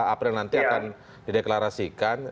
april nanti akan dideklarasikan